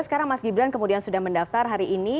sekarang mas gibran kemudian sudah mendaftar hari ini